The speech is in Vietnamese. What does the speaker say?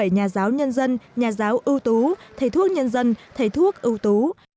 một trăm linh bảy nhà giáo nhân dân nhà giáo ưu tú thầy thuốc nhân dân thầy thuốc ưu tú